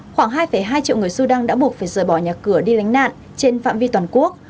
khoảng hai hai triệu người sudan đã buộc phải rời bỏ nhà cửa đi lánh nạn trên phạm vi toàn quốc